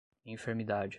enfermidade